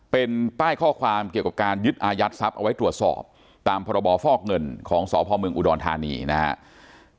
เป็นป้ายข้อความเกี่ยวกับการยึดอายัดทรัพย์เอาไว้ตรวจสอบตามพรบฟอกเงินของสพเมืองอุดรธานีนะครับ